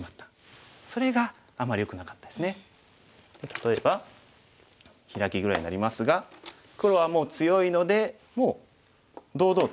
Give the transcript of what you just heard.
例えばヒラキぐらいになりますが黒はもう強いのでもう堂々と。